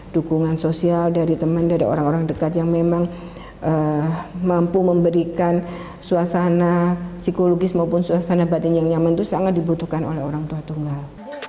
dukungan sosial dari teman dari orang orang dekat yang memang mampu memberikan suasana psikologis maupun suasana batin yang nyaman itu sangat dibutuhkan oleh orang tua tunggal